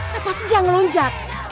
kenapa sih dia ngelonjat